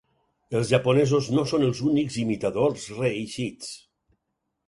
Els japonesos no són els únics imitadors reeixits.